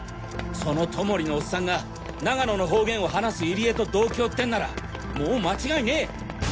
その外守のオッサンが長野の方言を話す入江と同郷ってんならもう間違いねえ！